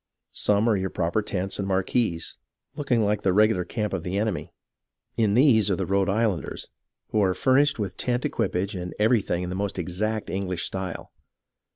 Some are your proper tents and marquees, looking like the regular camp of the enemy. In these are the Rhode Islanders, who are furnished with tent equipage and everything in the most exact English style.